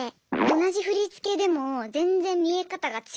同じ振り付けでも全然見え方が違って見えて。